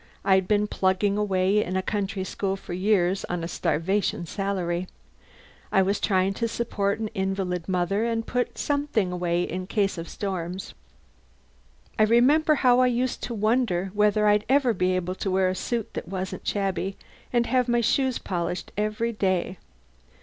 I'd been plugging away in a country school for years, on a starvation salary. I was trying to support an invalid mother, and put by something in case of storms. I remember how I used to wonder whether I'd ever be able to wear a suit that wasn't shabby and have my shoes polished every day.